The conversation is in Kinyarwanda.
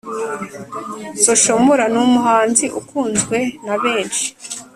Social Mula ni umuhanzi ukunzwe na benshi